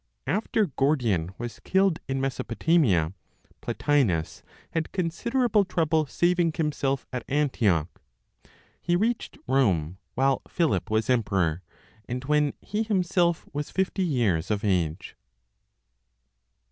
After Gordian was killed in Mesopotamia, Plotinos had considerable trouble saving himself at Antioch. He reached Rome while Philip was emperor, and when he himself was 50 years of age.